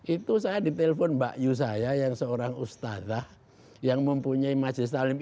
itu saya ditelepon mbak yusaya yang seorang ustadah yang mempunyai masjid salim